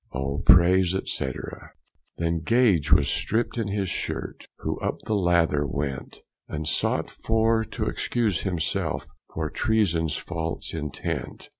O praise, &c. Then Gage was stripped in his shirt, Who up the lather went, And sought for to excuse him selfe Of treasons falce intent.